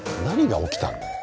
何が起きたの？